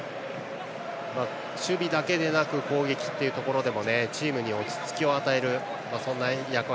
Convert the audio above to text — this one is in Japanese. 守備だけでなく攻撃というところでもチームに落ち着きを与える役割。